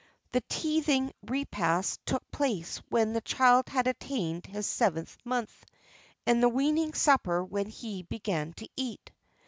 [XXX 40] The teething repast took place when the child had attained his seventh month, and the weaning supper when he began to eat.